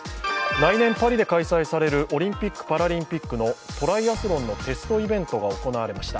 来年、パリで開催されるオリンピック・パラリンピックのトライアスロンのテストイベントが行われました。